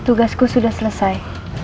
tugasku sudah selesai